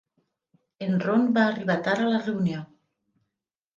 En Ron va arribar tard a la reunió.